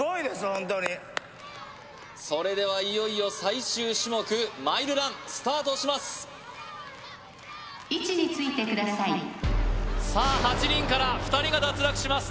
ホントにそれではいよいよ最終種目マイルランスタートします位置についてくださいさあ８人から２人が脱落します